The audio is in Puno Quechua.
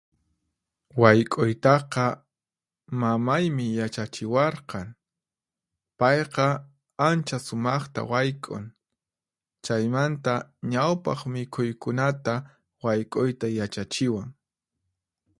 Wayk'uytaqa mamaymi yachachiwarqan. Payqa ancha sumaqta wayk'un, chaymanta ñawpaq mikhuykunata wayk'uyta yachachiwan.